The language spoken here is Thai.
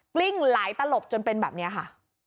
กลิ้งหลายตลบจนเป็นแบบนี้ค่ะ